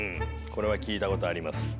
これは聞いたことあります。